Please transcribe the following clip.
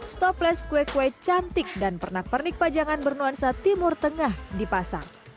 stopless kue kue cantik dan pernak pernik pajangan bernuansa timur tengah dipasang